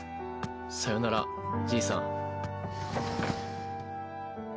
さよならじいさん。